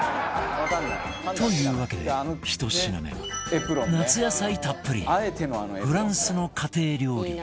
というわけで１品目は夏野菜たっぷりフランスの家庭料理